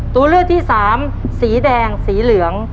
ตัวเลือกที่สามสีแดงสีเหลือง